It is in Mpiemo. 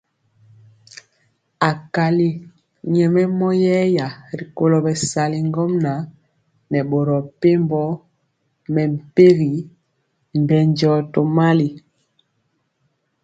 Akali nyɛmemɔ yeya rikolo bɛsali ŋgomnaŋ nɛ boro mepempɔ mɛmpegi bɛndiɔ tomali.